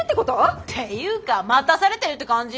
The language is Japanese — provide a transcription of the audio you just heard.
っていうか待たされてるって感じ？